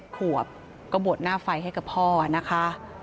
ขวบก็บวชหน้าไฟให้กับพ่อนะคะ